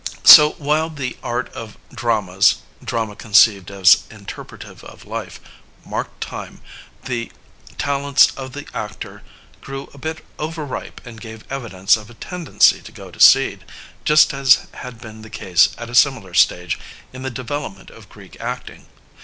So, while the art of dramas drama conceived as interpretive of life — ^marked time, the talents of the actor grew a bit over ripe and gave evidence of a tendency to go to seed, just as had been the case at a similar stage in the development of Greek acting.